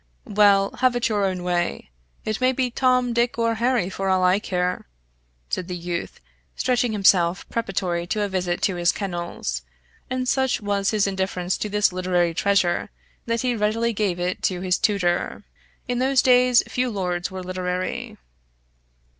"Well, have it your own way. It may be Tom, Dick, or Harry for all I care," said the youth, stretching himself preparatory to a visit to his kennels; and such was his indifference to this literary treasure that he readily gave it to his tutor. In those days, few lords were literary.